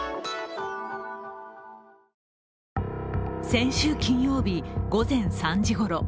先週金曜日、午前３時ごろ。